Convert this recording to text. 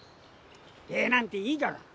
礼なんていいから。